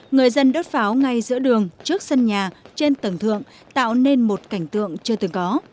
người dân đốt pháo ngay giữa đường trước sân nhà trên tầng thượng tạo nên một cảnh tượng chưa từng có